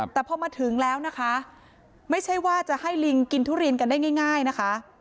แต่พอมาถึงแล้วนะคะไม่ใช่ว่าจะให้ลิงกินทุเรียนกันได้ง่ายนะคะ